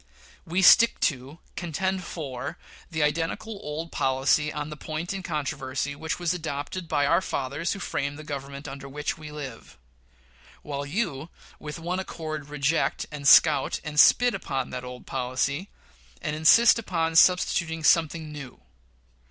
We stick to, contend for, the identical old policy on the point in controversy which was adopted by "our fathers who framed the Government under which we live"; while you with one accord reject, and scout, and spit upon that old policy and insist upon substituting something new.